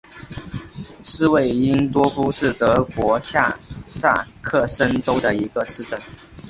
施韦因多夫是德国下萨克森州的一个市镇。